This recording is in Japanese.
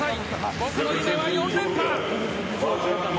僕の夢は４連覇！